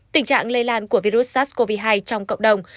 tình trạng lây lan của virus sars cov hai trong cộng đồng